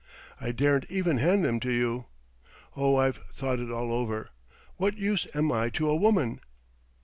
I daren't even hand them to you. Oh, I've thought it all over. What use am I to a woman?"